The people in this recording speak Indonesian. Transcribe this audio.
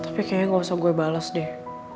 tapi kayaknya gak usah gue bales deh